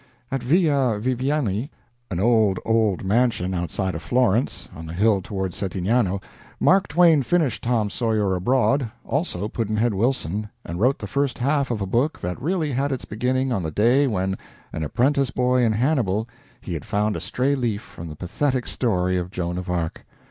At Villa Viviani, an old, old mansion outside of Florence, on the hill toward Settignano, Mark Twain finished "Tom Sawyer Abroad," also "Pudd'nhead Wilson", and wrote the first half of a book that really had its beginning on the day when, an apprentice boy in Hannibal, he had found a stray leaf from the pathetic story of "Joan of Arc."